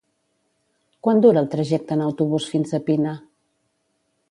Quant dura el trajecte en autobús fins a Pina?